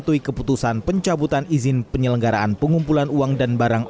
mematuhi keputusan pencabutan izin penyelenggaraan pengumpulan uang dan barang